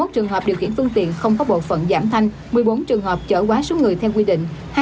hai mươi trường hợp điều khiển phương tiện không có bộ phận giảm thanh một mươi bốn trường hợp chở quá số người theo quy định